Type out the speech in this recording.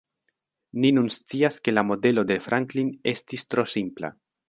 Ni nun scias ke la modelo de Franklin estis tro simpla.